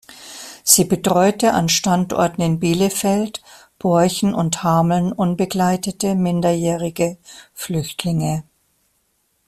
Sie betreute an Standorten in Bielefeld, Borchen und Hameln unbegleitete minderjährige Flüchtlinge.